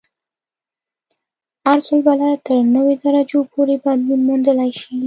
عرض البلد تر نوي درجو پورې بدلون موندلی شي